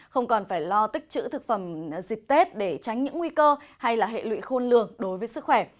không còn phải lo tích chữ thực phẩm dịp tết để tránh những nguy cơ hay hệ lụy khôn lường đối với sức khỏe